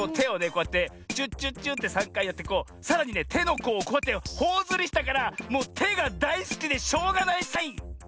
こうやってチュッチュッチュッて３かいやってこうさらにねてのこうをこうやってほおずりしたからもうてがだいすきでしょうがないサイン！